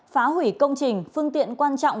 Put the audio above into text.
phá hủy công trình phương tiện quan trọng